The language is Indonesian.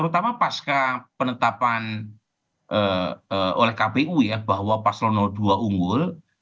terutama pasca penetapan oleh kpu ya bahwa paslon dua unggul